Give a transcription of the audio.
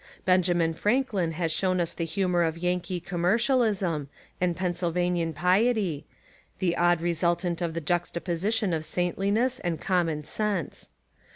Benjamin Franklin has shewn us the hu mour of Yankee commercialism, and Pennsyl vanian piety — the odd resultant of the juxtaposi tion of saintliness and common sense.